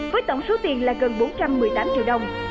với tổng số tiền là gần bốn trăm một mươi tám triệu đồng